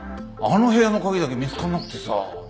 あの部屋の鍵だけ見つかんなくてさ。